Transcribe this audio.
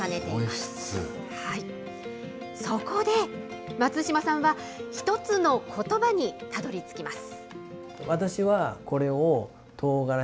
そこで、松島さんは１つのことばにたどりつきます。